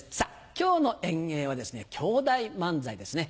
今日の演芸はですね兄弟漫才ですね。